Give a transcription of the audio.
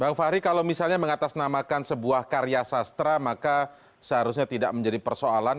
bang fahri kalau misalnya mengatasnamakan sebuah karya sastra maka seharusnya tidak menjadi persoalan